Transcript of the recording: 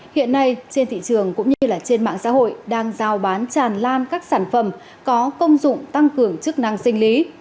hiện nay trên thị trường cũng như là trên mạng xã hội đang giao bán tràn lan các sản phẩm có công dụng tăng cường chức năng sinh lý